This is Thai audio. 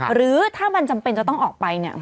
หรือถ้ามันจำเป็นจะต้องออกไปเนี่ย